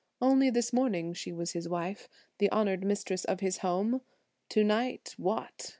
Only this morning she was his wife, the honored mistress of his home; tonight what?